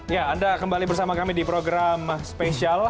ya anda kembali bersama kami di program spesial